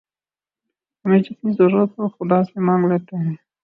ہمیں جتنی ضرورت ہو خدا سے مانگ لیتے ہیں